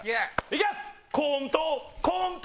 いきます！